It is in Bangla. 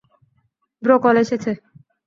ব্রো, কল এসেছে।